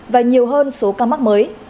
và nhiều hơn số ca mắc mới